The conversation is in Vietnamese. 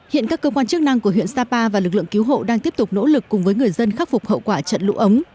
hiện các cơ quan chức năng của huyện sapa và lực lượng cứu hộ đang tiếp tục nỗ lực cùng với người dân khắc phục hậu quả trận lũ ống